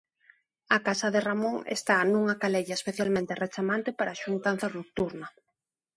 A casa de Ramón está nunha calella especialmente rechamante para a xuntanza nocturna.